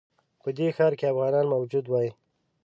په دې ښار کې افغانان موجود وای.